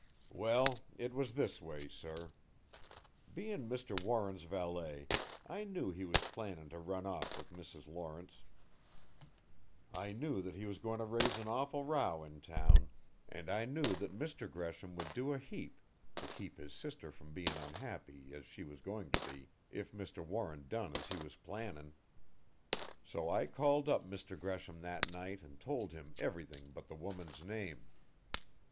"Well, it was this way, sir. Bein' Mr. Warren's valet I knew he was plannin' to run off with Mrs. Lawrence. I knew that was going to raise an awful row in town and I knew that Mr. Gresham would do a heap to keep his sister from bein' unhappy as she was going to be if Mr. Warren done as he was plannin'. So I called up Mr. Gresham that night and told him everything but the woman's name.